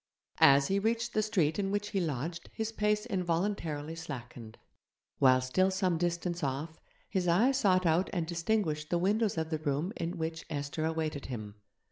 As he reached the street in which he lodged his pace involuntarily slackened. While still some distance off, his eye sought out and distinguished the windows of the room in which Esther awaited him.